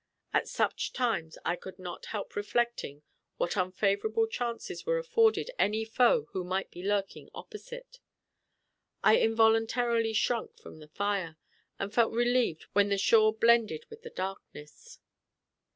At such times I could not help reflecting what favorable chances were afforded any foe who might be lurking opposite. I involuntarily shrunk from the fire, and felt relieved when the shore blended with the darkness.